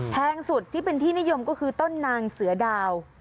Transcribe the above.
แพงสุดที่เป็นที่นิยมก็คือต้นนางเสือดาว